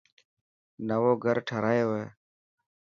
نئوو گھر ٺارايو هي.